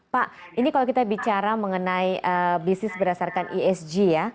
pak ini kalau kita bicara mengenai bisnis berdasarkan esg ya